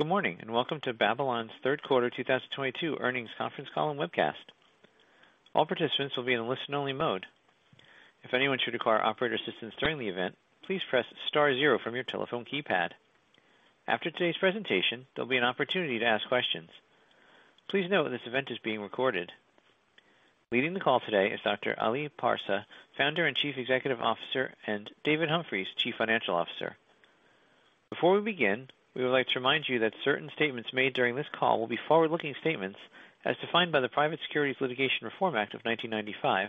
Good morning, and welcome to Babylon's third quarter 2022 earnings conference call and webcast. All participants will be in listen only mode. If anyone should require operator assistance during the event, please press star zero from your telephone keypad. After today's presentation, there'll be an opportunity to ask questions. Please note this event is being recorded. Leading the call today is Dr. Ali Parsa, Founder and Chief Executive Officer, and David Humphreys, Chief Financial Officer. Before we begin, we would like to remind you that certain statements made during this call will be forward-looking statements as defined by the Private Securities Litigation Reform Act of 1995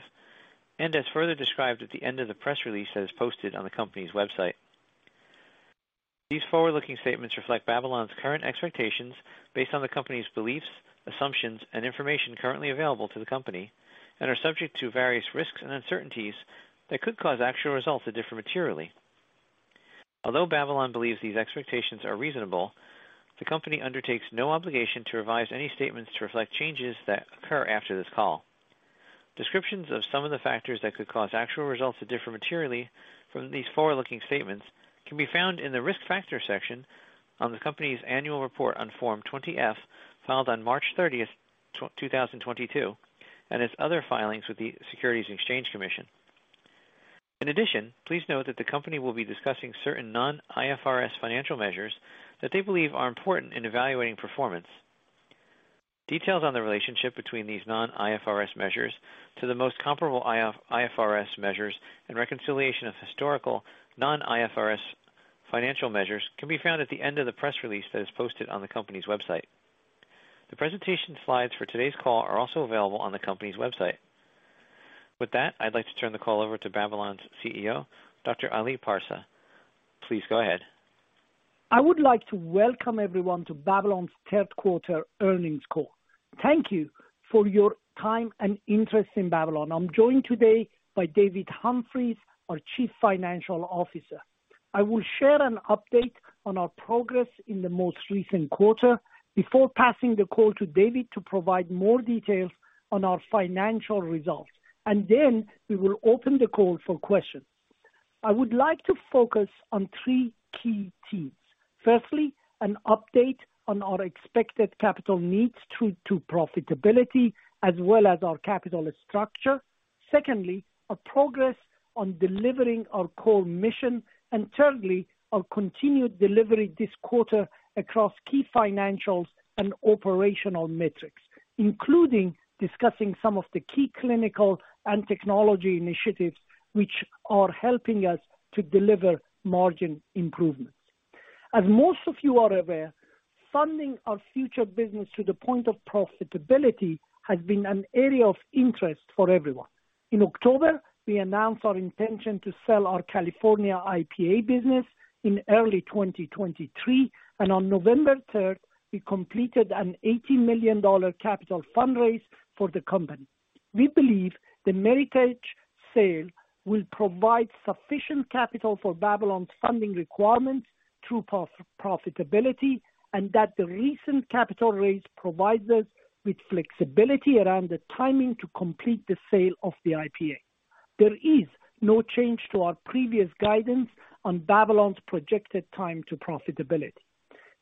and as further described at the end of the press release that is posted on the company's website. These forward-looking statements reflect Babylon's current expectations based on the company's beliefs, assumptions, and information currently available to the company and are subject to various risks and uncertainties that could cause actual results to differ materially. Although Babylon believes these expectations are reasonable, the company undertakes no obligation to revise any statements to reflect changes that occur after this call. Descriptions of some of the factors that could cause actual results to differ materially from these forward-looking statements can be found in the Risk Factors section on the company's annual report on Form 20-F, filed on March 30, 2022, and its other filings with the Securities and Exchange Commission. In addition, please note that the company will be discussing certain non-IFRS financial measures that they believe are important in evaluating performance. Details on the relationship between these non-IFRS measures to the most comparable IFRS measures and reconciliation of historical non-IFRS financial measures can be found at the end of the press release that is posted on the company's website. The presentation slides for today's call are also available on the company's website. With that, I'd like to turn the call over to Babylon's CEO, Dr. Ali Parsa. Please go ahead. I would like to welcome everyone to Babylon's third quarter earnings call. Thank you for your time and interest in Babylon. I'm joined today by David Humphreys, our Chief Financial Officer. I will share an update on our progress in the most recent quarter before passing the call to David to provide more details on our financial results, and then we will open the call for questions. I would like to focus on three key themes. Firstly, an update on our expected capital needs to profitability as well as our capital structure. Secondly, our progress on delivering our core mission. Thirdly, our continued delivery this quarter across key financials and operational metrics, including discussing some of the key clinical and technology initiatives which are helping us to deliver margin improvements. As most of you are aware, funding our future business to the point of profitability has been an area of interest for everyone. In October, we announced our intention to sell our California IPA business in early 2023, and on November 3, we completed an $80 million capital fundraise for the company. We believe the Meritage sale will provide sufficient capital for Babylon's funding requirements through profitability, and that the recent capital raise provides us with flexibility around the timing to complete the sale of the IPA. There is no change to our previous guidance on Babylon's projected time to profitability.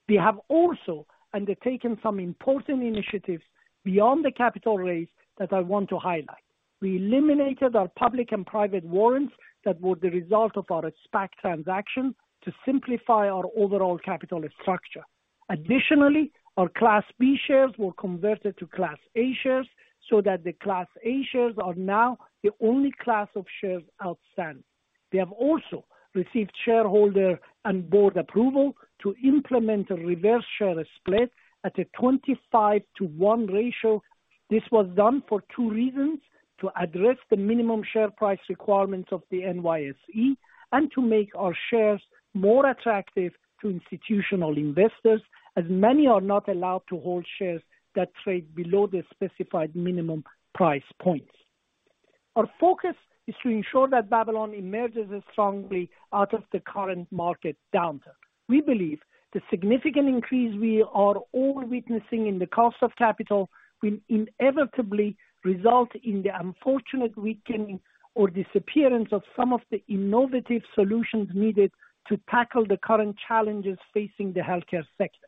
We have also undertaken some important initiatives beyond the capital raise that I want to highlight. We eliminated our public and private warrants that were the result of our SPAC transaction to simplify our overall capital structure. Additionally, our Class B shares were converted to Class A shares so that the Class A shares are now the only class of shares outstanding. We have also received shareholder and board approval to implement a reverse share split at a 25-to-1 ratio. This was done for two reasons. To address the minimum share price requirements of the NYSE and to make our shares more attractive to institutional investors, as many are not allowed to hold shares that trade below the specified minimum price points. Our focus is to ensure that Babylon emerges strongly out of the current market downturn. We believe the significant increase we are all witnessing in the cost of capital will inevitably result in the unfortunate weakening or disappearance of some of the innovative solutions needed to tackle the current challenges facing the healthcare sector.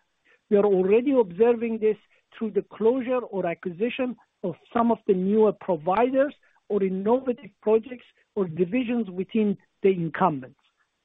We are already observing this through the closure or acquisition of some of the newer providers or innovative projects or divisions within the incumbents.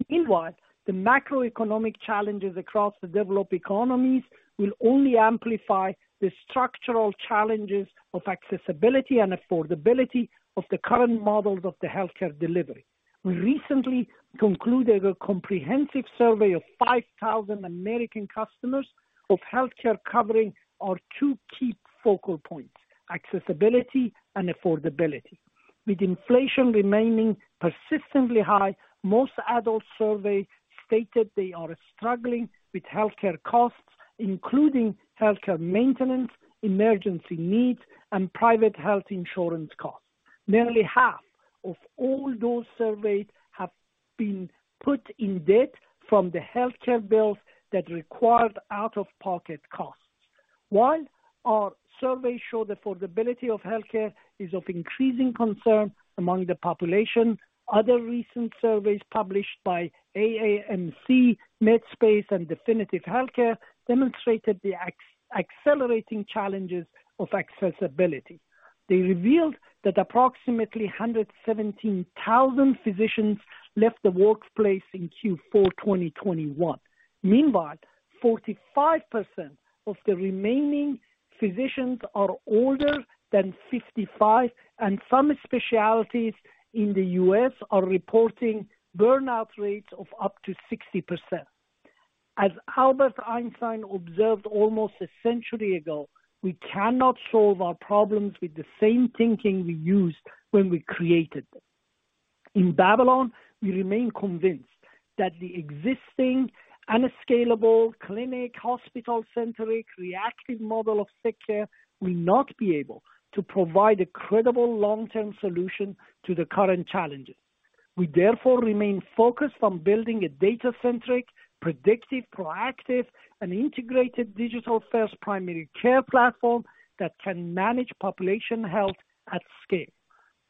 Meanwhile, the macroeconomic challenges across the developed economies will only amplify the structural challenges of accessibility and affordability of the current models of the healthcare delivery. We recently concluded a comprehensive survey of 5,000 American customers of healthcare covering our two key focal points, accessibility and affordability. With inflation remaining persistently high, most adults surveyed stated they are struggling with healthcare costs, including healthcare maintenance, emergency needs, and private health insurance costs. Nearly half of all those surveyed have been put in debt from the healthcare bills that required out-of-pocket costs. While our surveys show the affordability of healthcare is of increasing concern among the population, other recent surveys published by AAMC, Medscape, and Definitive Healthcare demonstrated the accelerating challenges of accessibility. They revealed that approximately 117,000 physicians left the workplace in Q4 2021. Meanwhile, 45% of the remaining physicians are older than 55, and some specialties in the U.S. are reporting burnout rates of up to 60%. As Albert Einstein observed almost a century ago, we cannot solve our problems with the same thinking we used when we created them. In Babylon, we remain convinced that the existing unscalable clinic, hospital-centric, reactive model of sick care will not be able to provide a credible long-term solution to the current challenges. We therefore remain focused on building a data-centric, predictive, proactive, and integrated digital-first primary care platform that can manage population health at scale.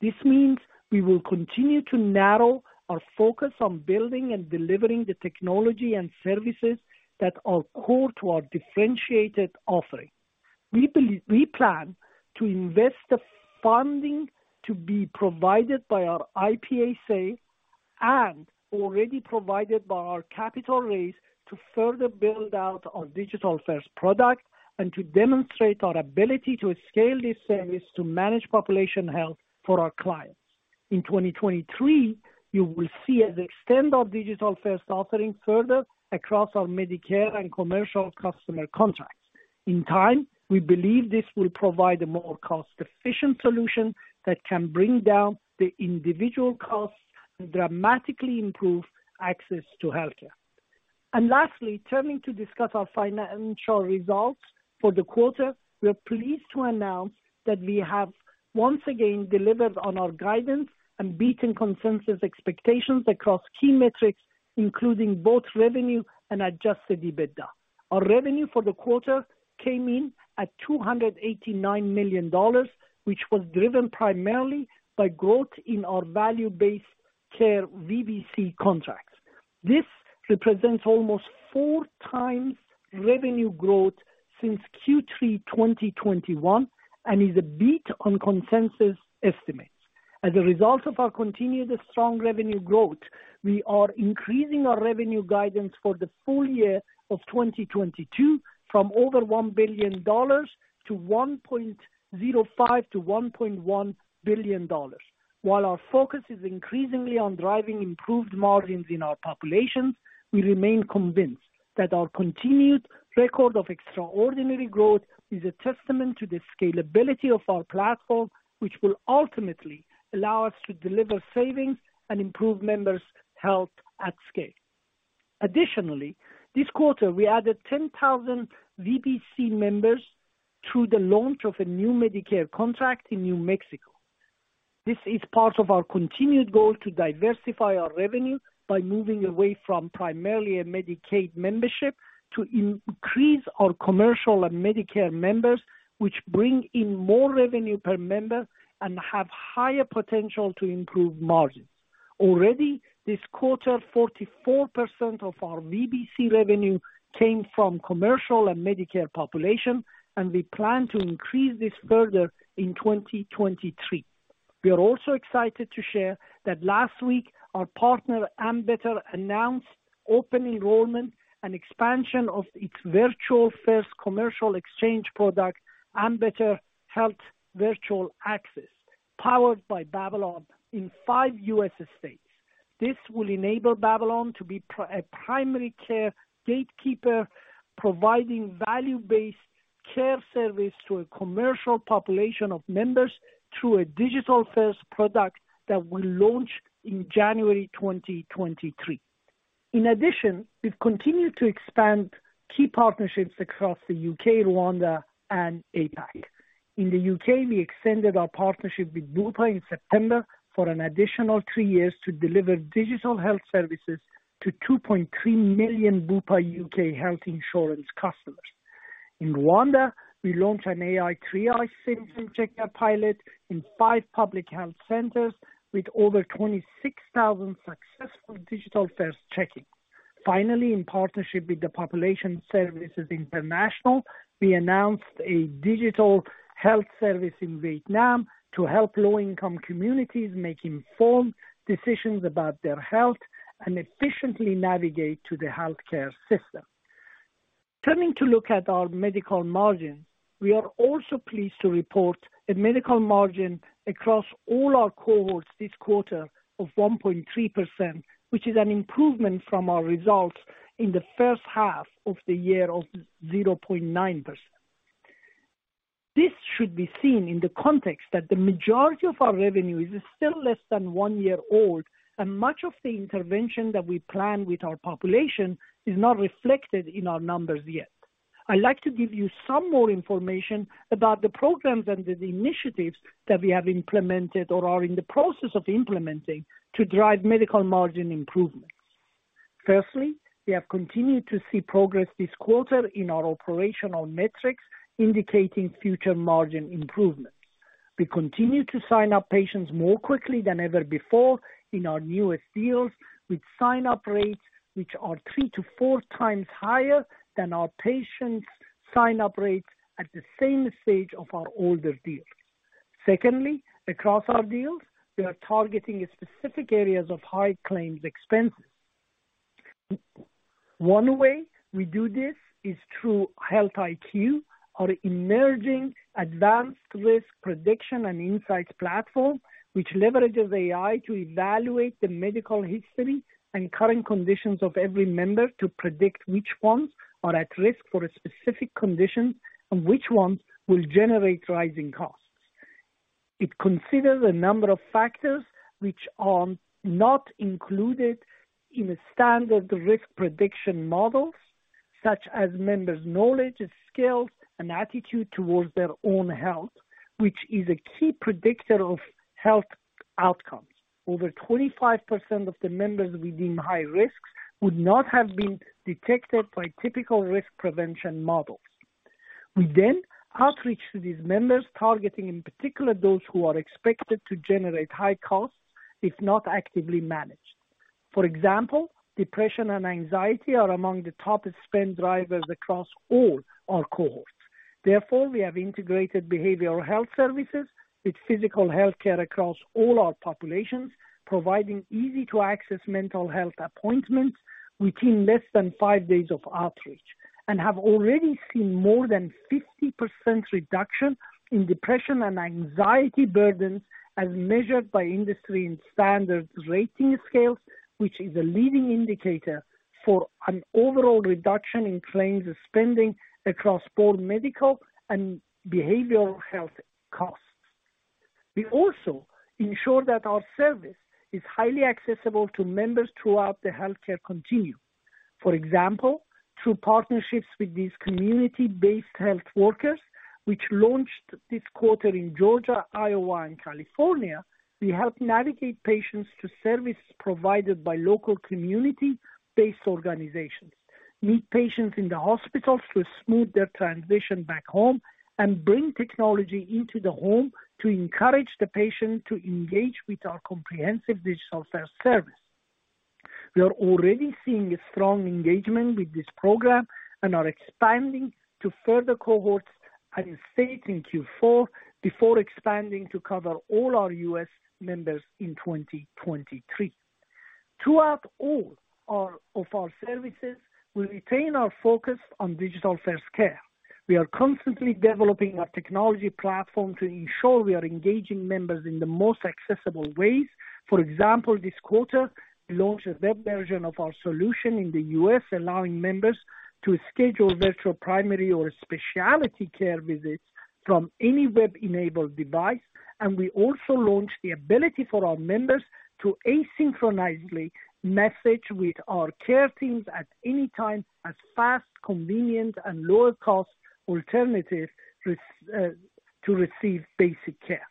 This means we will continue to narrow our focus on building and delivering the technology and services that are core to our differentiated offering. We plan to invest the funding to be provided by our IPA and already provided by our capital raise to further build out our digital-first product and to demonstrate our ability to scale this service to manage population health for our clients. In 2023, you will see us extend our digital-first offering further across our Medicare and commercial customer contracts. In time, we believe this will provide a more cost-efficient solution that can bring down the individual costs and dramatically improve access to healthcare. Lastly, turning to discuss our financial results for the quarter. We are pleased to announce that we have once again delivered on our guidance and beaten consensus expectations across key metrics, including both revenue and adjusted EBITDA. Our revenue for the quarter came in at $289 million, which was driven primarily by growth in our value-based care VBC contracts. This represents almost 4x revenue growth since Q3 2021 and is a beat on consensus estimates. As a result of our continued strong revenue growth, we are increasing our revenue guidance for the full year of 2022 from over $1 billion to $1.05-$1.1 billion. While our focus is increasingly on driving improved margins in our populations, we remain convinced that our continued record of extraordinary growth is a testament to the scalability of our platform, which will ultimately allow us to deliver savings and improve members' health at scale. Additionally, this quarter, we added 10,000 VBC members through the launch of a new Medicare contract in New Mexico. This is part of our continued goal to diversify our revenue by moving away from primarily a Medicaid membership to increase our commercial and Medicare members, which bring in more revenue per member and have higher potential to improve margins. Already this quarter, 44% of our VBC revenue came from commercial and Medicare population, and we plan to increase this further in 2023. We are also excited to share that last week our partner, Ambetter, announced open enrollment and expansion of its virtual-first commercial exchange product, Ambetter Virtual Access, powered by Babylon in five U.S. states. This will enable Babylon to be a primary care gatekeeper, providing value-based care service to a commercial population of members through a digital-first product that will launch in January 2023. In addition, we've continued to expand key partnerships across the U.K., Rwanda, and APAC. In the U.K., we extended our partnership with Bupa in September for an additional 3 years to deliver digital health services to 2.3 million Bupa U.K. health insurance customers. In Rwanda, we launched an AI triage symptom checker pilot in 5 public health centers with over 26,000 successful digital-first check-ins. Finally, in partnership with the Population Services International, we announced a digital health service in Vietnam to help low-income communities make informed decisions about their health and efficiently navigate to the healthcare system. Turning to look at our medical margin. We are also pleased to report a medical margin across all our cohorts this quarter of 1.3%, which is an improvement from our results in the first half of the year of 0.9%. This should be seen in the context that the majority of our revenue is still less than 1 year old, and much of the intervention that we plan with our population is not reflected in our numbers yet. I'd like to give you some more information about the programs and the initiatives that we have implemented or are in the process of implementing to drive medical margin improvement. Firstly, we have continued to see progress this quarter in our operational metrics indicating future margin improvements. We continue to sign up patients more quickly than ever before in our newest deals with sign-up rates which are 3-4 times higher than our patients' sign-up rates at the same stage of our older deals. Secondly, across our deals, we are targeting specific areas of high claims expenses. One way we do this is through Health IQ, our emerging advanced risk prediction and insights platform, which leverages AI to evaluate the medical history and current conditions of every member to predict which ones are at risk for a specific condition and which ones will generate rising costs. It considers a number of factors which are not included in the standard risk prediction models, such as members' knowledge, skills, and attitude towards their own health, which is a key predictor of health outcomes. Over 25% of the members we deem high risks would not have been detected by typical risk prevention models. We then outreach to these members, targeting in particular those who are expected to generate high costs if not actively managed. For example, depression and anxiety are among the top spend drivers across all our cohorts. Therefore, we have integrated behavioral health services with physical health care across all our populations, providing easy-to-access mental health appointments within less than 5 days of outreach, and have already seen more than 50% reduction in depression and anxiety burdens as measured by industry-standard rating scales, which is a leading indicator for an overall reduction in claims spending across both medical and behavioral health costs. We also ensure that our service is highly accessible to members throughout the healthcare continuum. For example, through partnerships with these community-based health workers, which launched this quarter in Georgia, Iowa, and California, we help navigate patients to services provided by local community-based organizations, meet patients in the hospitals to smooth their transition back home, and bring technology into the home to encourage the patient to engage with our comprehensive digital-first service. We are already seeing a strong engagement with this program and are expanding to further cohorts and states in Q4 before expanding to cover all our U.S. members in 2023. Throughout all of our services, we retain our focus on digital-first care. We are constantly developing our technology platform to ensure we are engaging members in the most accessible ways. For example, this quarter we launched a web version of our solution in the U.S., allowing members to schedule virtual primary or specialty care visits from any web-enabled device. We also launched the ability for our members to asynchronously message with our care teams at any time as fast, convenient, and lower cost alternative to receive basic care.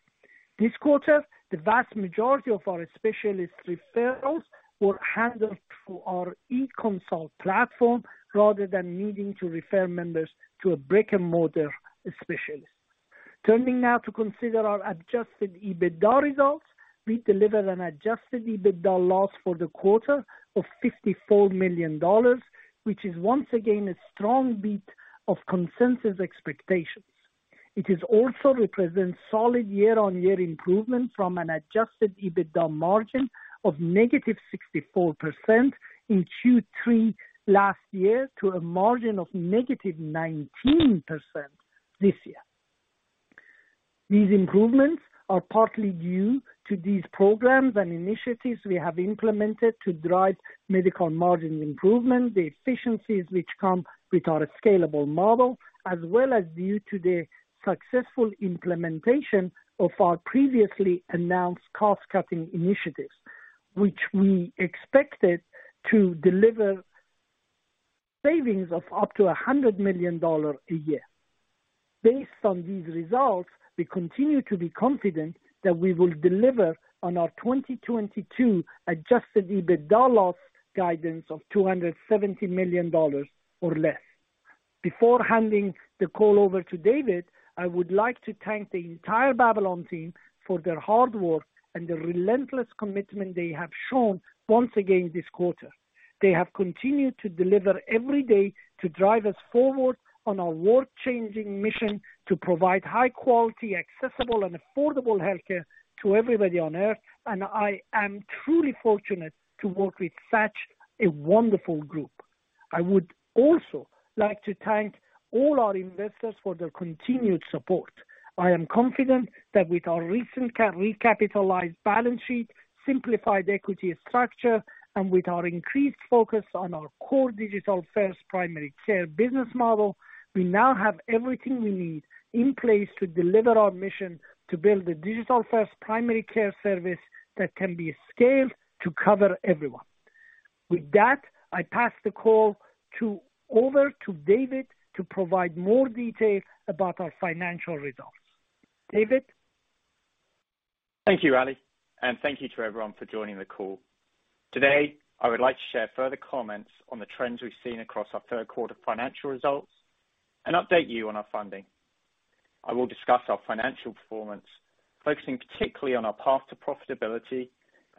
This quarter, the vast majority of our specialist referrals were handled through our e-consult platform rather than needing to refer members to a brick-and-mortar specialist. Turning now to consider our adjusted EBITDA results. We delivered an adjusted EBITDA loss for the quarter of $54 million, which is once again a strong beat of consensus expectations. It also represents solid year-on-year improvement from an adjusted EBITDA margin of -64% in Q3 last year to a margin of -19% this year. These improvements are partly due to these programs and initiatives we have implemented to drive medical margin improvement, the efficiencies which come with our scalable model, as well as due to the successful implementation of our previously announced cost-cutting initiatives, which we expected to deliver savings of up to $100 million a year. Based on these results, we continue to be confident that we will deliver on our 2022 adjusted EBITDA loss guidance of $270 million or less. Before handing the call over to David, I would like to thank the entire Babylon team for their hard work and the relentless commitment they have shown once again this quarter. They have continued to deliver every day to drive us forward on our world-changing mission to provide high quality, accessible, and affordable health care to everybody on Earth. I am truly fortunate to work with such a wonderful group. I would also like to thank all our investors for their continued support. I am confident that with our recent recapitalized balance sheet, simplified equity structure, and with our increased focus on our core digital first primary care business model, we now have everything we need in place to deliver our mission to build a digital first primary care service that can be scaled to cover everyone. With that, I pass the call over to David to provide more details about our financial results. David? Thank you, Ali, and thank you to everyone for joining the call. Today, I would like to share further comments on the trends we've seen across our third quarter financial results and update you on our funding. I will discuss our financial performance, focusing particularly on our path to profitability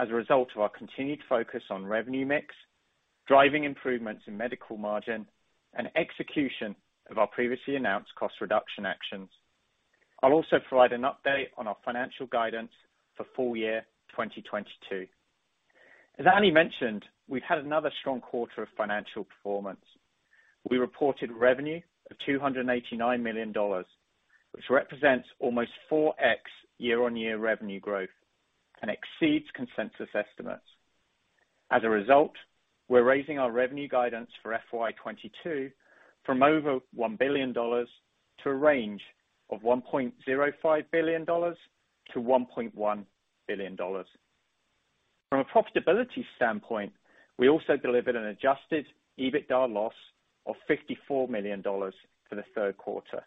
as a result of our continued focus on revenue mix, driving improvements in medical margin, and execution of our previously announced cost reduction actions. I'll also provide an update on our financial guidance for full year 2022. As Ali mentioned, we've had another strong quarter of financial performance. We reported revenue of $289 million, which represents almost 4x year-on-year revenue growth and exceeds consensus estimates. As a result, we're raising our revenue guidance for FY 2022 from over $1 billion to a range of $1.05 billion-$1.1 billion. From a profitability standpoint, we also delivered an adjusted EBITDA loss of $54 million for the third quarter,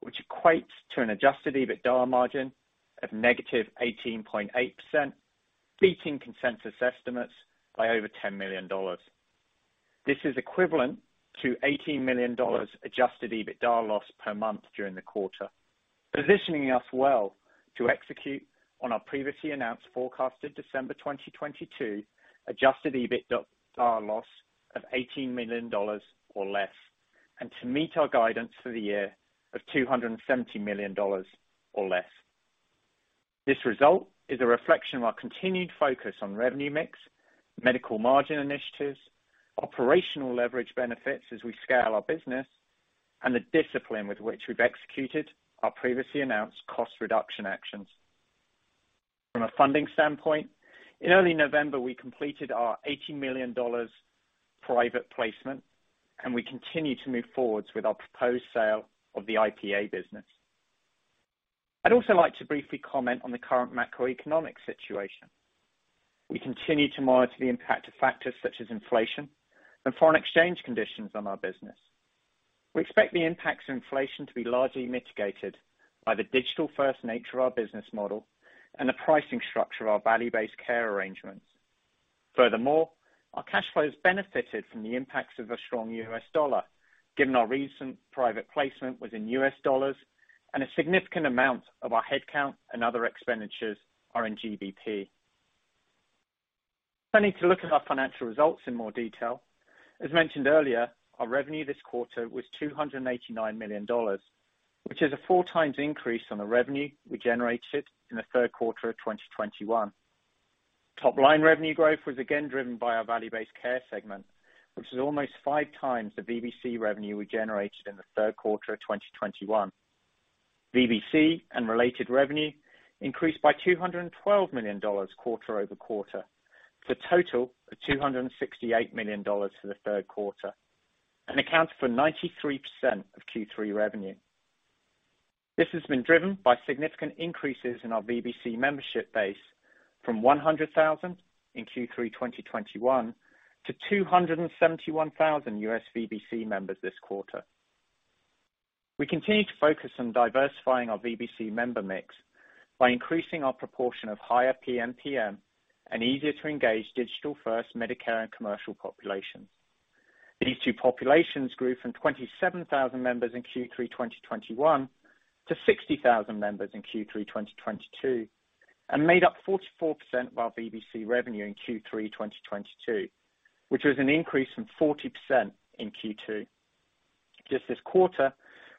which equates to an adjusted EBITDA margin of -18.8%, beating consensus estimates by over $10 million. This is equivalent to $18 million adjusted EBITDA loss per month during the quarter, positioning us well to execute on our previously announced forecasted December 2022 adjusted EBITDA loss of $18 million or less, and to meet our guidance for the year of $270 million or less. This result is a reflection of our continued focus on revenue mix, medical margin initiatives, operational leverage benefits as we scale our business, and the discipline with which we've executed our previously announced cost reduction actions. From a funding standpoint, in early November, we completed our $80 million private placement, and we continue to move forwards with our proposed sale of the IPA business. I'd also like to briefly comment on the current macroeconomic situation. We continue to monitor the impact of factors such as inflation and foreign exchange conditions on our business. We expect the impacts of inflation to be largely mitigated by the digital-first nature of our business model and the pricing structure of our value-based care arrangements. Furthermore, our cash flows benefited from the impacts of a strong U.S. dollar, given our recent private placement was in U.S. dollars and a significant amount of our headcount and other expenditures are in GBP. Let me look at our financial results in more detail. As mentioned earlier, our revenue this quarter was $289 million, which is a 4x increase on the revenue we generated in the third quarter of 2021. Top line revenue growth was again driven by our value-based care segment, which is almost 5x the VBC revenue we generated in the third quarter of 2021. VBC and related revenue increased by $212 million quarter-over-quarter for a total of $268 million for the third quarter, and accounts for 93% of Q3 revenue. This has been driven by significant increases in our VBC membership base from 100,000 in Q3 2021 to 271,000 U.S. VBC members this quarter. We continue to focus on diversifying our VBC member mix by increasing our proportion of higher PMPM and easier to engage digital-first Medicare and commercial populations. These two populations grew from 27,000 members in Q3 2021 to 60,000 members in Q3 2022, and made up 44% of our VBC revenue in Q3 2022, which was an increase from 40% in Q2. Just this quarter,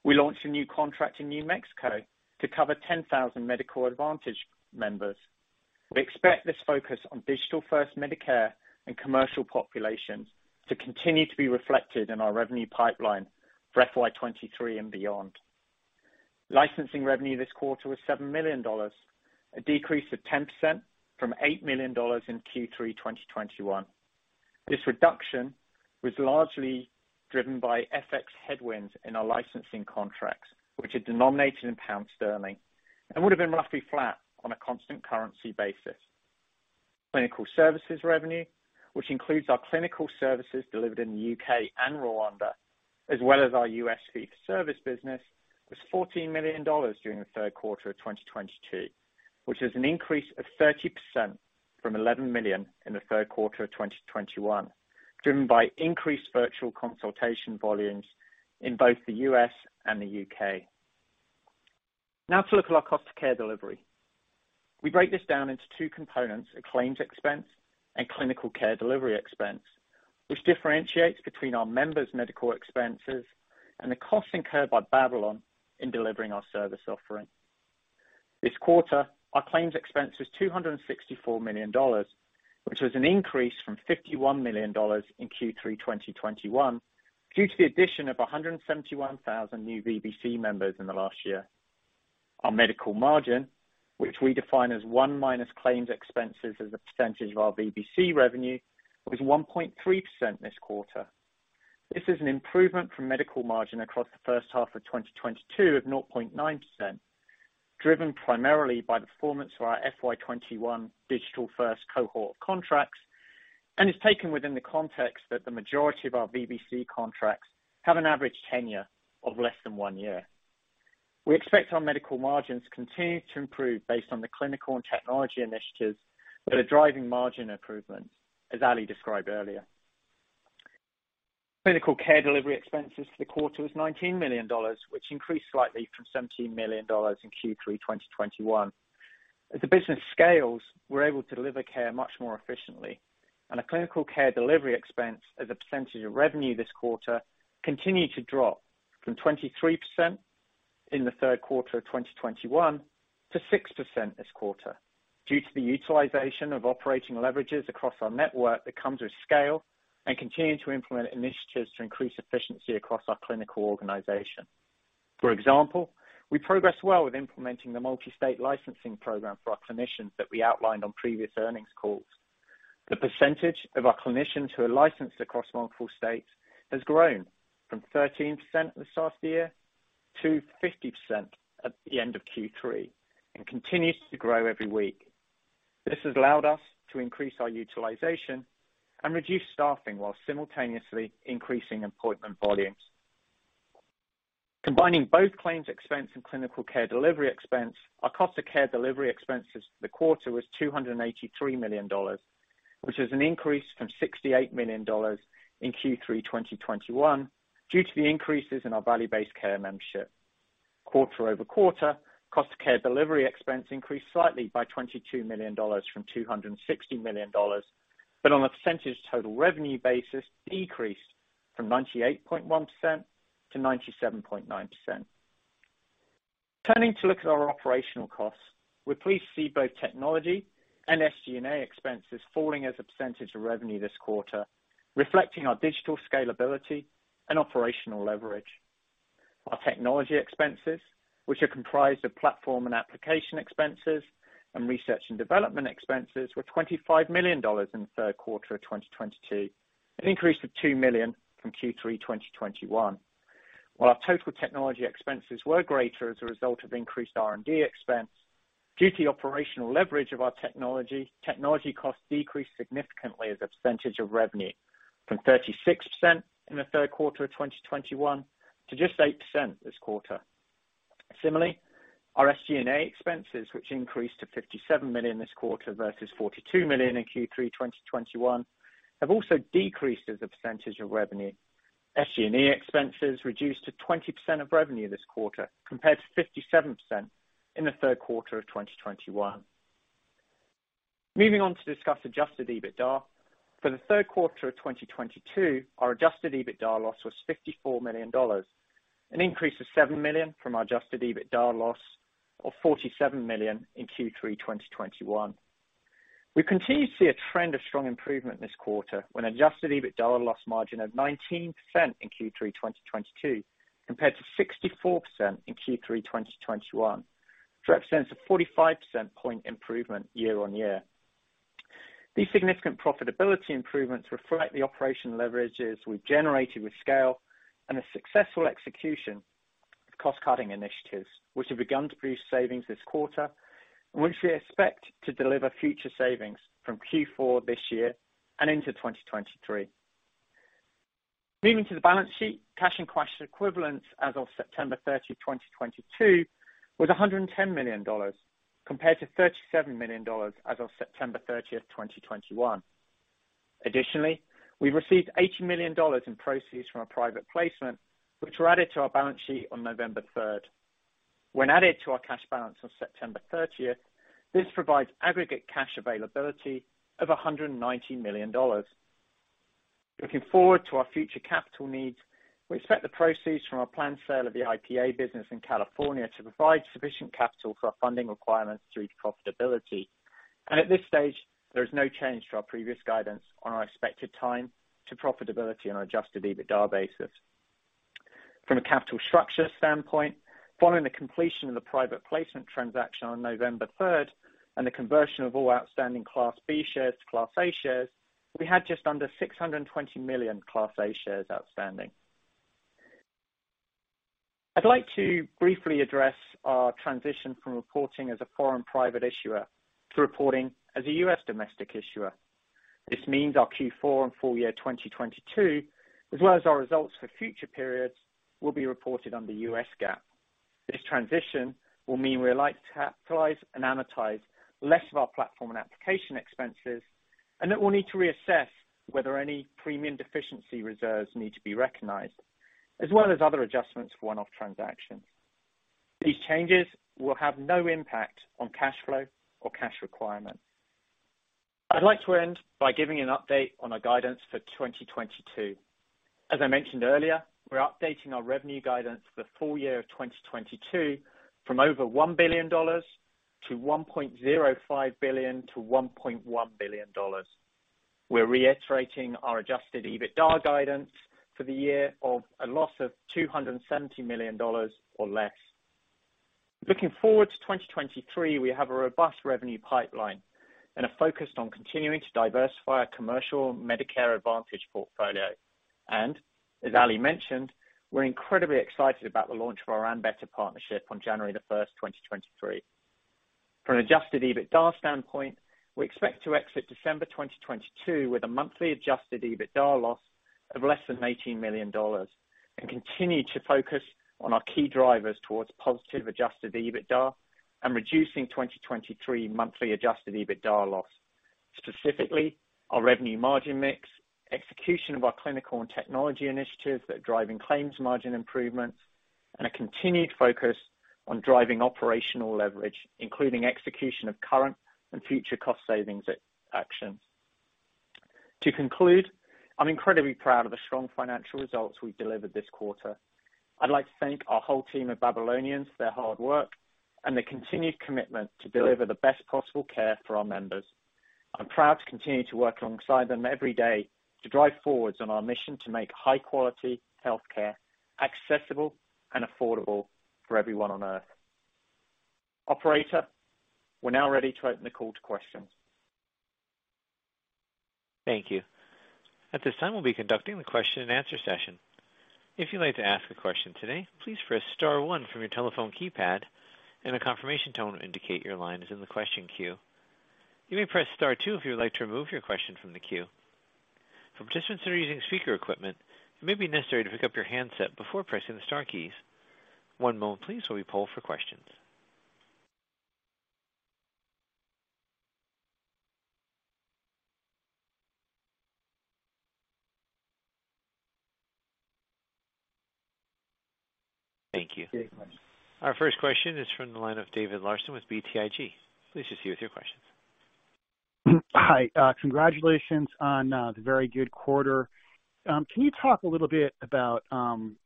we launched a new contract in New Mexico to cover 10,000 Medicare Advantage members. We expect this focus on digital-first Medicare and commercial populations to continue to be reflected in our revenue pipeline for FY 2023 and beyond. Licensing revenue this quarter was $7 million, a decrease of 10% from $8 million in Q3 2021. This reduction was largely driven by FX headwinds in our licensing contracts, which are denominated in pound sterling and would have been roughly flat on a constant currency basis. Clinical services revenue, which includes our clinical services delivered in the U.K. and Rwanda, as well as our U.S. fee for service business, was $14 million during the third quarter of 2022, which is an increase of 30% from $11 million in the third quarter of 2021, driven by increased virtual consultation volumes in both the U.S. and the U.K. Now to look at our cost of care delivery. We break this down into two components. Claims expense and clinical care delivery expense, which differentiates between our members' medical expenses and the costs incurred by Babylon in delivering our service offering. This quarter, our claims expense was $264 million, which was an increase from $51 million in Q3 2021 due to the addition of 171,000 new VBC members in the last year. Our medical margin, which we define as 1 minus claims expenses as a percentage of our VBC revenue, was 1.3% this quarter. This is an improvement from medical margin across the first half of 2022 of 0.9%, driven primarily by the performance of our FY 2021 digital-first cohort of contracts, and is taken within the context that the majority of our VBC contracts have an average tenure of less than 1 year. We expect our medical margins to continue to improve based on the clinical and technology initiatives that are driving margin improvements, as Ali described earlier. Clinical care delivery expenses for the quarter was $19 million, which increased slightly from $17 million in Q3 2021. As the business scales, we're able to deliver care much more efficiently, and our clinical care delivery expense as a percentage of revenue this quarter continued to drop from 23% in the third quarter of 2021 to 6% this quarter due to the utilization of operating leverages across our network that comes with scale and continuing to implement initiatives to increase efficiency across our clinical organization. For example, we progressed well with implementing the multi-state licensing program for our clinicians that we outlined on previous earnings calls. The percentage of our clinicians who are licensed across multiple states has grown from 13% at the start of the year to 50% at the end of Q3, and continues to grow every week. This has allowed us to increase our utilization and reduce staffing while simultaneously increasing appointment volumes. Combining both claims expense and clinical care delivery expense, our cost of care delivery expenses for the quarter was $283 million, which is an increase from $68 million in Q3 2021 due to the increases in our value-based care membership. Quarter over quarter, cost of care delivery expense increased slightly by $22 million from $260 million, but on a percentage total revenue basis, decreased from 98.1% to 97.9%. Turning to look at our operational costs, we're pleased to see both technology and SG&A expenses falling as a percentage of revenue this quarter, reflecting our digital scalability and operational leverage. Our technology expenses, which are comprised of platform and application expenses and research and development expenses, were $25 million in the third quarter of 2022, an increase of $2 million from Q3 2021. While our total technology expenses were greater as a result of increased R&D expense, due to the operational leverage of our technology costs decreased significantly as a percentage of revenue from 36% in the third quarter of 2021 to just 8% this quarter. Similarly, our SG&A expenses, which increased to $57 million this quarter versus $42 million in Q3 2021, have also decreased as a percentage of revenue. SG&A expenses reduced to 20% of revenue this quarter, compared to 57% in the third quarter of 2021. Moving on to discuss adjusted EBITDA. For the third quarter of 2022, our adjusted EBITDA loss was $54 million, an increase of $7 million from our adjusted EBITDA loss of $47 million in Q3 2021. We continue to see a trend of strong improvement this quarter, with an adjusted EBITDA loss margin of 19% in Q3 2022, compared to 64% in Q3 2021, for a 45 percentage point improvement year-over-year. These significant profitability improvements reflect the operational leverages we've generated with scale and a successful execution of cost-cutting initiatives, which have begun to produce savings this quarter, and which we expect to deliver future savings from Q4 this year and into 2023. Moving to the balance sheet, cash and cash equivalents as of September 30, 2022 was $110 million, compared to $37 million as of September 30, 2021. Additionally, we received $80 million in proceeds from our private placement, which were added to our balance sheet on November 3. When added to our cash balance on September 30, this provides aggregate cash availability of $190 million. Looking forward to our future capital needs, we expect the proceeds from our planned sale of the IPA business in California to provide sufficient capital for our funding requirements through to profitability. At this stage, there is no change to our previous guidance on our expected time to profitability on an adjusted EBITDA basis. From a capital structure standpoint, following the completion of the private placement transaction on November third and the conversion of all outstanding Class B shares to Class A shares, we had just under 620 million Class A shares outstanding. I'd like to briefly address our transition from reporting as a foreign private issuer to reporting as a US domestic issuer. This means our Q4 and full year 2022, as well as our results for future periods, will be reported under US GAAP. This transition will mean we are likely to capitalize and amortize less of our platform and application expenses, and that we'll need to reassess whether any premium deficiency reserves need to be recognized, as well as other adjustments for one-off transactions. These changes will have no impact on cash flow or cash requirements. I'd like to end by giving an update on our guidance for 2022. As I mentioned earlier, we're updating our revenue guidance for the full year of 2022 from over $1 billion to $1.05 billion-$1.1 billion. We're reiterating our adjusted EBITDA guidance for the year of a loss of $270 million or less. Looking forward to 2023, we have a robust revenue pipeline and are focused on continuing to diversify our commercial Medicare Advantage portfolio. As Ali mentioned, we're incredibly excited about the launch of our Ambetter partnership on January 1, 2023. From an adjusted EBITDA standpoint, we expect to exit December 2022 with a monthly adjusted EBITDA loss of less than $18 million and continue to focus on our key drivers towards positive adjusted EBITDA and reducing 2023 monthly adjusted EBITDA loss. Specifically, our revenue margin mix, execution of our clinical and technology initiatives that are driving claims margin improvements, and a continued focus on driving operational leverage, including execution of current and future cost savings initiatives. To conclude, I'm incredibly proud of the strong financial results we've delivered this quarter. I'd like to thank our whole team of Babylonians, their hard work, and their continued commitment to deliver the best possible care for our members. I'm proud to continue to work alongside them every day to drive forwards on our mission to make high-quality healthcare accessible and affordable for everyone on Earth. Operator, we're now ready to open the call to questions. Thank you. At this time, we'll be conducting the question-and-answer session. If you'd like to ask a question today, please press star one from your telephone keypad and a confirmation tone will indicate your line is in the question queue. You may press star two if you would like to remove your question from the queue. For participants that are using speaker equipment, it may be necessary to pick up your handset before pressing the star keys. One moment please, while we poll for questions. Thank you. Our first question is from the line of David Larsen with BTIG. Please proceed with your questions. Hi, congratulations on the very good quarter. Can you talk a little bit about,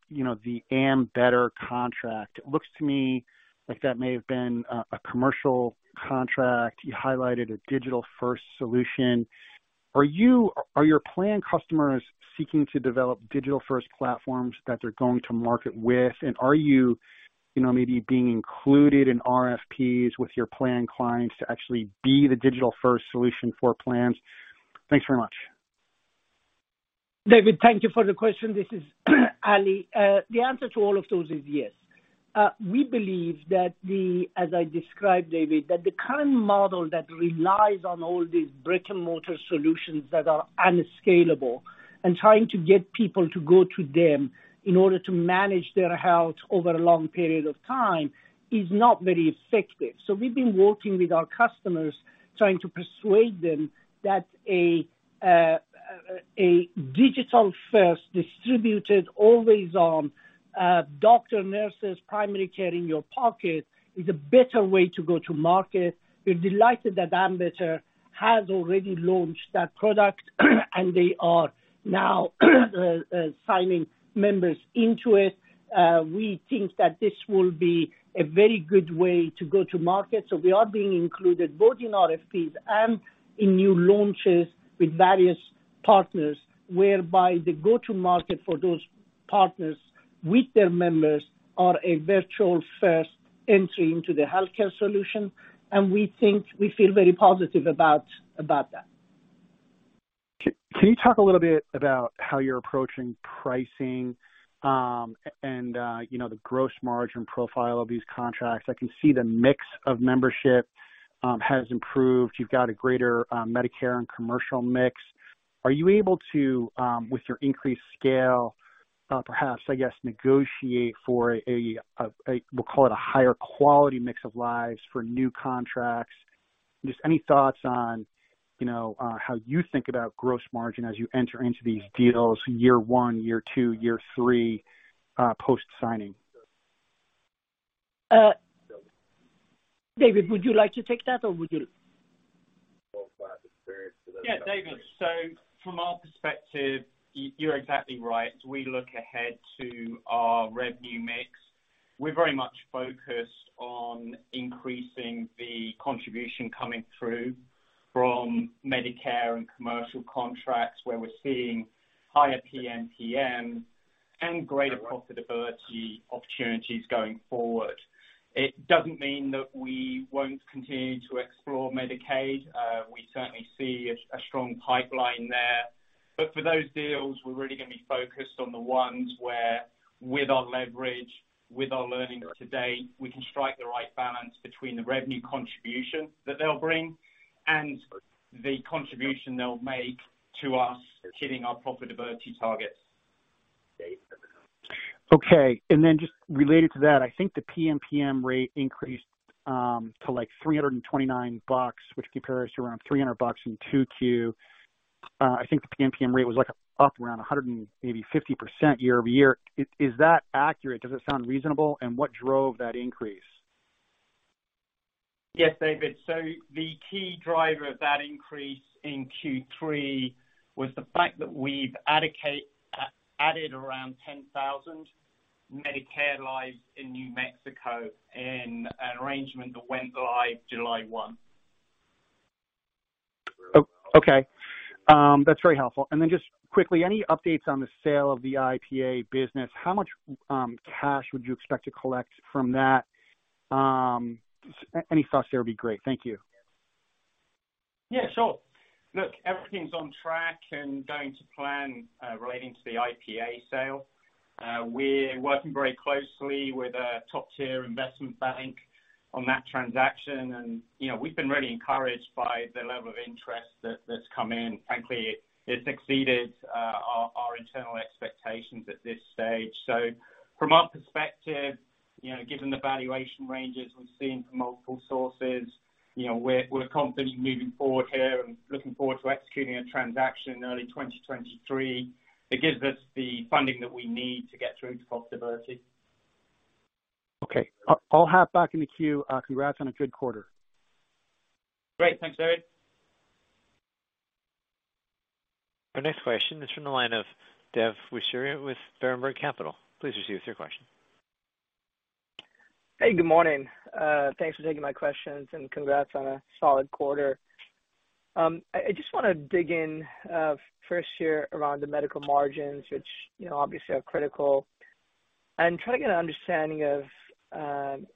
you know, the Ambetter contract? It looks to me like that may have been a commercial contract. You highlighted a digital-first solution. Are you or your plan customers seeking to develop digital-first platforms that they're going to market with? Are you know, maybe being included in RFPs with your plan clients to actually be the digital-first solution for plans? Thanks very much. David, thank you for the question. This is Ali. The answer to all of those is yes. We believe that, as I described, David, the current model that relies on all these brick-and-mortar solutions that are unscalable and trying to get people to go to them in order to manage their health over a long period of time is not very effective. We've been working with our customers, trying to persuade them that a digital first distributed always on doctor, nurses, primary care in your pocket is a better way to go to market. We're delighted that Ambetter has already launched that product, and they are now signing members into it. We think that this will be a very good way to go to market. We are being included both in RFPs and in new launches with various partners, whereby the go-to market for those partners with their members are a virtual first entry into the healthcare solution. We think we feel very positive about that. Can you talk a little bit about how you're approaching pricing, and, you know, the gross margin profile of these contracts? I can see the mix of membership has improved. You've got a greater Medicare and commercial mix. Are you able to, with your increased scale, perhaps, I guess, negotiate for a we'll call it a higher quality mix of lives for new contracts? Just any thoughts on, you know, how you think about gross margin as you enter into these deals, year one, year two, year three, post-signing? David, would you like to take that or would you? Yeah, David. From our perspective, you're exactly right. We look ahead to our revenue mix. We're very much focused on increasing the contribution coming through from Medicare and commercial contracts, where we're seeing higher PMPM and greater profitability opportunities going forward. It doesn't mean that we won't continue to explore Medicaid. We certainly see a strong pipeline there. For those deals, we're really gonna be focused on the ones where with our leverage, with our learning to date, we can strike the right balance between the revenue contribution that they'll bring and the contribution they'll make to us hitting our profitability targets. Just related to that, I think the PMPM rate increased to like $329, which compares to around $300 in 2Q. I think the PMPM rate was like up around 150% year-over-year. Is that accurate? Does it sound reasonable? What drove that increase? Yes, David. The key driver of that increase in Q3 was the fact that we've added around 10,000 Medicare lives in New Mexico in an arrangement that went live July 1. Okay. That's very helpful. Just quickly, any updates on the sale of the IPA business? How much cash would you expect to collect from that? Any thoughts there would be great. Thank you. Yeah, sure. Look, everything's on track and going to plan relating to the IPA sale. We're working very closely with a top-tier investment bank on that transaction. You know, we've been really encouraged by the level of interest that's come in. Frankly, it's exceeded our internal expectations at this stage. From our perspective, you know, given the valuation ranges we've seen from multiple sources, you know, we're confident moving forward here and looking forward to executing a transaction in early 2023. It gives us the funding that we need to get through to profitability. Okay. I'll hop back in the queue. Congrats on a good quarter. Great. Thanks, Eric. Our next question is from the line of Dev Weerasuriya with Berenberg Capital Markets. Please proceed with your question. Hey, good morning. Thanks for taking my questions, and congrats on a solid quarter. I just wanna dig in first here around the medical margins, which, you know, obviously are critical. Try to get an understanding of,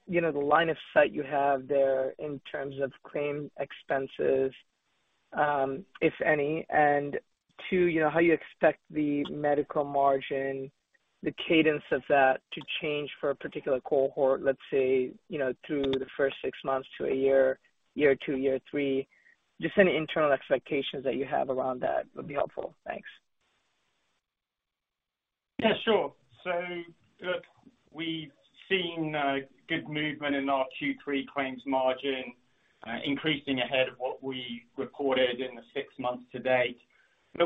you know, the line of sight you have there in terms of claim expenses, if any. Two, you know, how you expect the medical margin, the cadence of that to change for a particular cohort, let's say, you know, through the first six months to a year two, year three. Just any internal expectations that you have around that would be helpful. Thanks. Yeah, sure. Look, we've seen good movement in our Q3 claims margin, increasing ahead of what we recorded in the six months to date.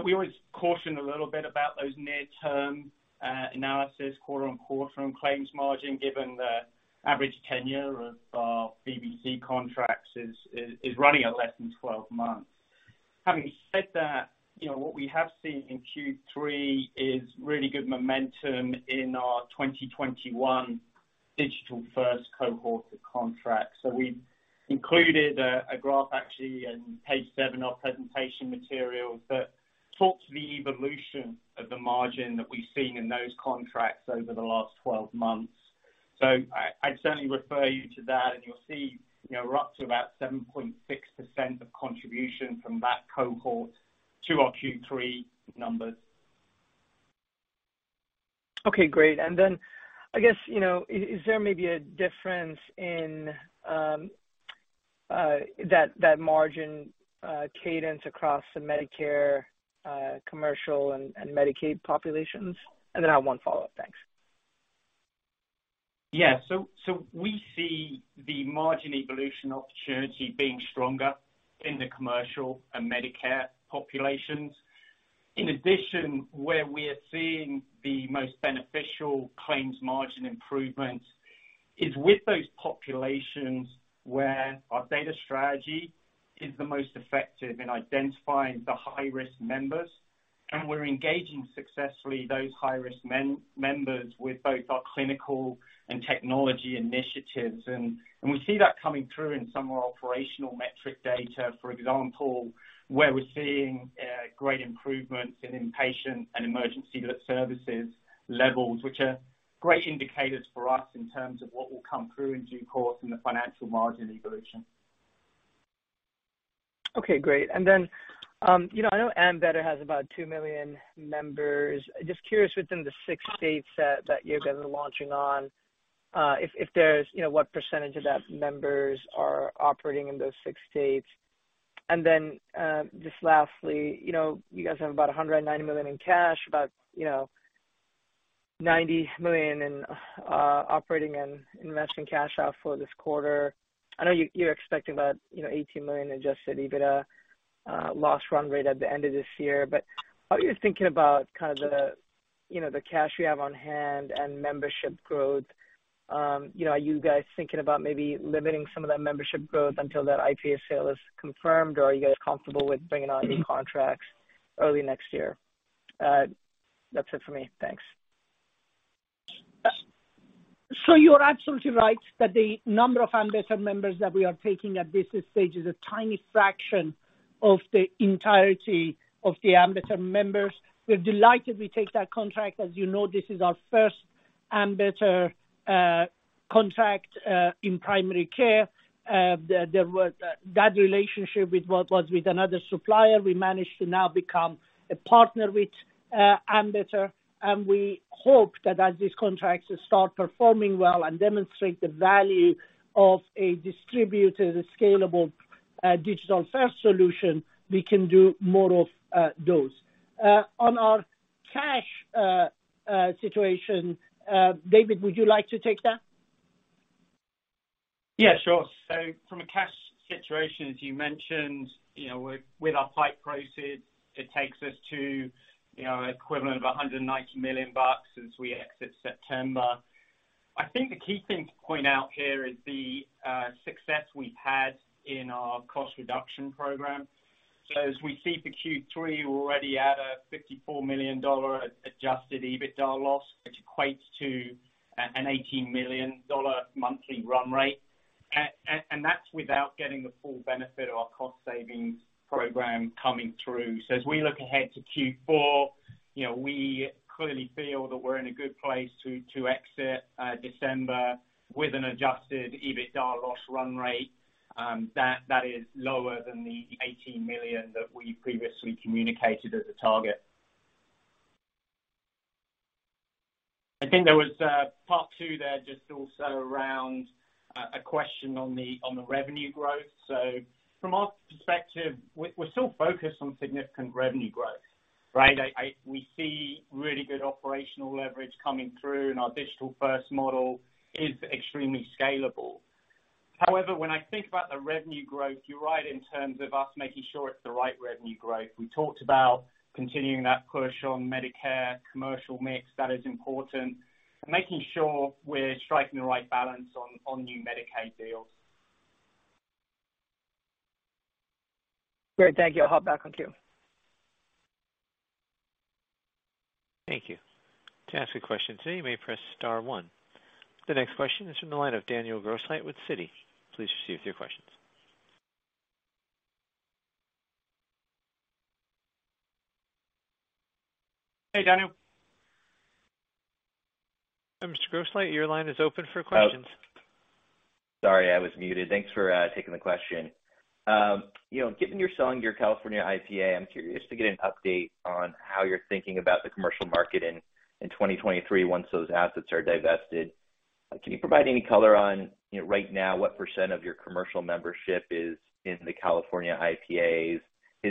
We always caution a little bit about those near-term analysis quarter on quarter on claims margin, given the average tenure of our VBC contracts is running at less than 12 months. Having said that, you know, what we have seen in Q3 is really good momentum in our 2021 digital first cohort of contracts. We've included a graph actually in page 7 of our presentation materials that talks to the evolution of the margin that we've seen in those contracts over the last 12 months. I certainly refer you to that, and you'll see, you know, we're up to about 7.6% of contribution from that cohort to our Q3 numbers. Okay, great. I guess, you know, is there maybe a difference in that margin cadence across the Medicare, commercial and Medicaid populations? I have one follow-up. Thanks. Yeah. We see the margin evolution opportunity being stronger in the commercial and Medicare populations. In addition, where we are seeing the most beneficial claims margin improvements is with those populations where our data strategy is the most effective in identifying the high-risk members, and we're engaging successfully those high-risk members with both our clinical and technology initiatives. We see that coming through in some of our operational metric data, for example, where we're seeing great improvements in inpatient and emergency services levels, which are great indicators for us in terms of what will come through in due course in the financial margin evolution. Okay, great. You know, I know Ambetter has about 2 million members. Just curious within the 6 states that you guys are launching on, if there's, you know, what percentage of that members are operating in those 6 states. Just lastly, you know, you guys have about $190 million in cash, about, you know, $90 million in operating and investing cash outflow this quarter. I know you're expecting about, you know, $18 million adjusted EBITDA loss run rate at the end of this year. How are you thinking about kind of the, you know, the cash you have on hand and membership growth? You know, are you guys thinking about maybe limiting some of that membership growth until that IPA sale is confirmed, or are you guys comfortable with bringing on new contracts early next year? That's it for me. Thanks. You are absolutely right that the number of Ambetter members that we are taking at this stage is a tiny fraction of the entirety of the Ambetter members. We're delighted we take that contract. As you know, this is our first Ambetter contract in primary care. There was that relationship with what was with another supplier, we managed to now become a partner with Ambetter, and we hope that as these contracts start performing well and demonstrate the value of a distributed, scalable digital first solution, we can do more of those. On our cash situation, David, would you like to take that? Yeah, sure. From a cash situation, as you mentioned, you know, with our PIPE proceeds, it takes us to, you know, equivalent of $190 million as we exit September. I think the key thing to point out here is the success we've had in our cost reduction program. As we see for Q3, we're already at a $54 million adjusted EBITDA loss, which equates to an $18 million monthly run rate. That's without getting the full benefit of our cost savings program coming through. As we look ahead to Q4, you know, we clearly feel that we're in a good place to exit December with an adjusted EBITDA loss run rate that is lower than the $18 million that we previously communicated as a target. I think there was a part two there just also around a question on the revenue growth. From our perspective, we're still focused on significant revenue growth, right? We see really good operational leverage coming through, and our digital first model is extremely scalable. However, when I think about the revenue growth, you're right in terms of us making sure it's the right revenue growth. We talked about continuing that push on Medicare commercial mix. That is important, and making sure we're striking the right balance on new Medicaid deals. Great. Thank you. I'll hop back with you. Thank you. To ask a question today, you may press star one. The next question is from the line of Daniel Grosslight with Citi. Please proceed with your questions. Hey, Daniel. Mr. Grosslight, your line is open for questions. Sorry, I was muted. Thanks for taking the question. You know, given you're selling your California IPA, I'm curious to get an update on how you're thinking about the commercial market in 2023 once those assets are divested. Can you provide any color on, you know, right now, what percent of your commercial membership is in the California IPAs? Are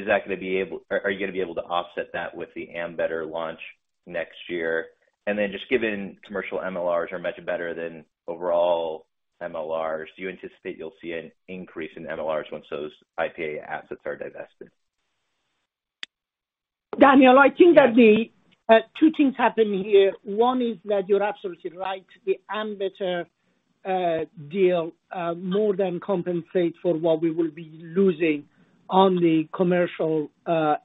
you gonna be able to offset that with the Ambetter launch next year? Then just given commercial MLRs are much better than overall MLRs, do you anticipate you'll see an increase in MLRs once those IPA assets are divested? Daniel, I think that the two things happen here. One is that you're absolutely right. The Ambetter deal more than compensates for what we will be losing on the commercial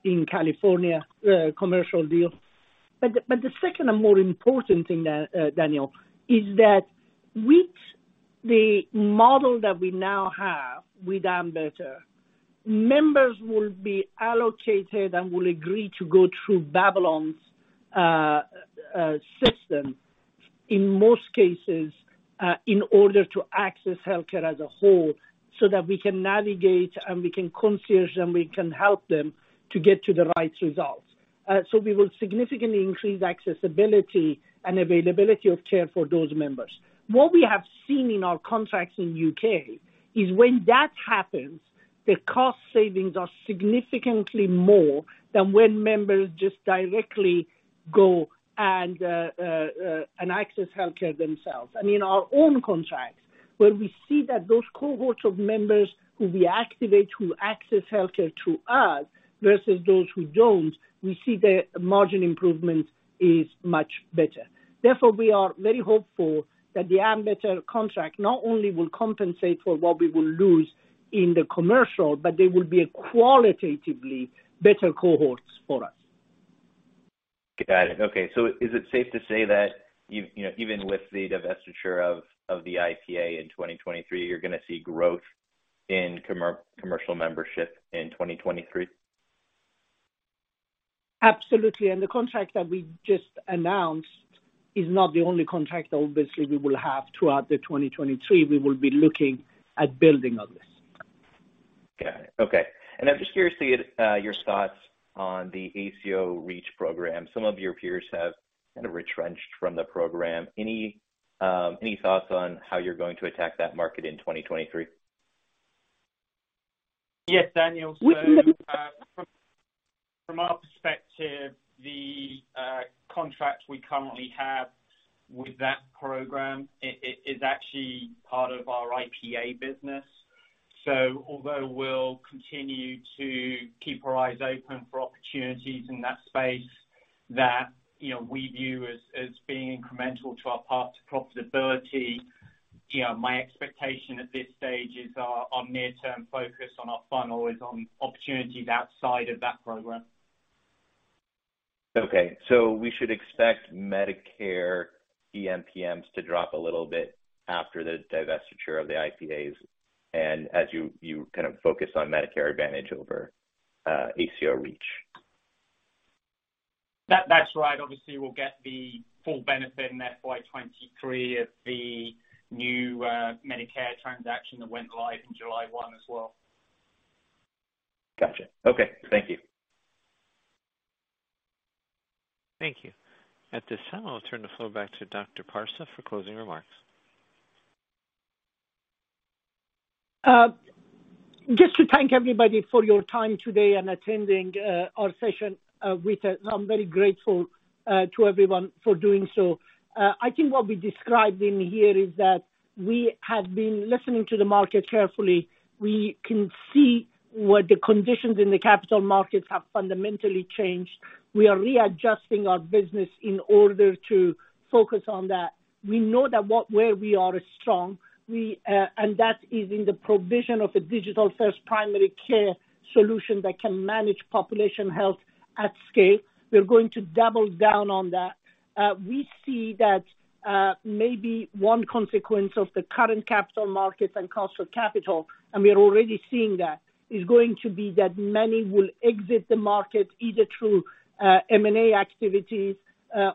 in California commercial deal. The second and more important thing there, Daniel, is that with the model that we now have with Ambetter, members will be allocated and will agree to go through Babylon's system in most cases, in order to access healthcare as a whole, so that we can navigate and we can concierge them, we can help them to get to the right results. We will significantly increase accessibility and availability of care for those members. What we have seen in our contracts in U.K. is when that happens, the cost savings are significantly more than when members just directly go and access healthcare themselves. I mean, our own contracts, where we see that those cohorts of members who we activate, who access healthcare through us versus those who don't, we see the margin improvement is much better. Therefore, we are very hopeful that the Ambetter contract not only will compensate for what we will lose in the commercial, but they will be a qualitatively better cohorts for us. Got it. Okay, is it safe to say that you know, even with the divestiture of the IPA in 2023, you're gonna see growth in commercial membership in 2023? Absolutely. The contract that we just announced is not the only contract, obviously, we will have throughout the 2023. We will be looking at building on this. Got it. Okay. I'm just curious to get your thoughts on the ACO REACH program. Some of your peers have kind of retrenched from the program. Any thoughts on how you're going to attack that market in 2023? Yes, Daniel. From our perspective, the contract we currently have with that program is actually part of our IPA business. Although we'll continue to keep our eyes open for opportunities in that space that, you know, we view as being incremental to our path to profitability, you know, my expectation at this stage is our near-term focus on our funnel is on opportunities outside of that program. We should expect Medicare PMPMs to drop a little bit after the divestiture of the IPAs and as you kind of focus on Medicare Advantage over ACO REACH. That's right. Obviously, we'll get the full benefit in FY 2023 of the new Medicare transaction that went live in July 1 as well. Gotcha. Okay. Thank you. Thank you. At this time, I'll turn the floor back to Dr. Parsa for closing remarks. Just to thank everybody for your time today in attending our session with us. I'm very grateful to everyone for doing so. I think what we described in here is that we have been listening to the market carefully. We can see where the conditions in the capital markets have fundamentally changed. We are readjusting our business in order to focus on that. We know that where we are is strong and that is in the provision of a digital first primary care solution that can manage population health at scale. We're going to double down on that. We see that, maybe one consequence of the current capital markets and cost of capital, and we are already seeing that, is going to be that many will exit the market either through M&A activities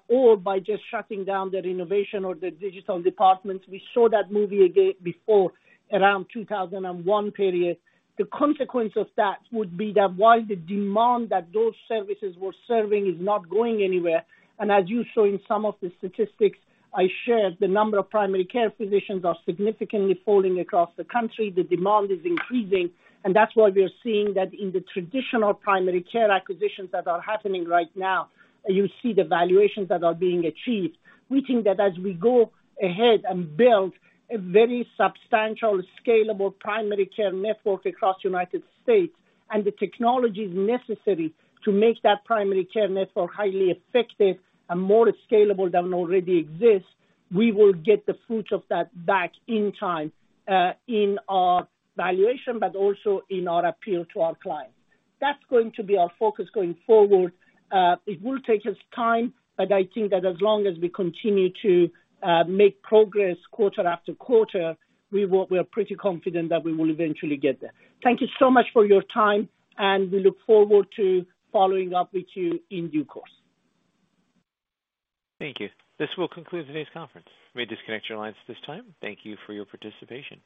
or by just shutting down their innovation or their digital departments. We saw that movie before around 2001 period. The consequence of that would be that while the demand that those services were serving is not going anywhere, and as you saw in some of the statistics I shared, the number of primary care physicians are significantly falling across the country. The demand is increasing, and that's why we are seeing that in the traditional primary care acquisitions that are happening right now, you see the valuations that are being achieved. We think that as we go ahead and build a very substantial, scalable primary care network across United States and the technologies necessary to make that primary care network highly effective and more scalable than already exists, we will get the fruits of that back in time, in our valuation, but also in our appeal to our clients. That's going to be our focus going forward. It will take us time, but I think that as long as we continue to make progress quarter after quarter, we are pretty confident that we will eventually get there. Thank you so much for your time, and we look forward to following up with you in due course. Thank you. This will conclude today's conference. You may disconnect your lines at this time. Thank you for your participation.